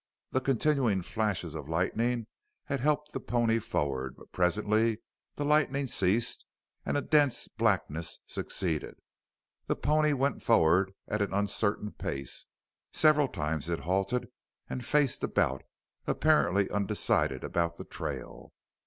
The continuing flashes of lightning had helped the pony forward, but presently the lightning ceased and a dense blackness succeeded. The pony went forward at an uncertain pace; several times it halted and faced about, apparently undecided about the trail.